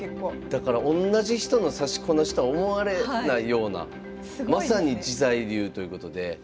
だからおんなじ人の指しこなしとは思われないようなまさに自在流ということで。